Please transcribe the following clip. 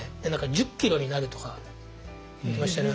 １０キロになるとかいってましたね。